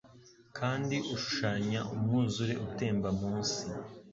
Kandi ushushanya umwuzure utemba munsi